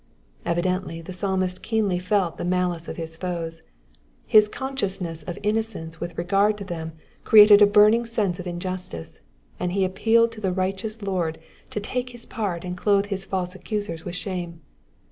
Evidently the psalmist keenly felt the malice of his foes. Hb consciousness of innocence with regard to them created a burning sense of injustice, and he appealed to the righteous Lord to take his part and clothe his false accusers with shame.